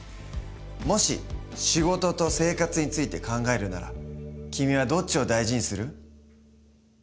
もし仕事と生活について考えるなら君はどっちを大事にする？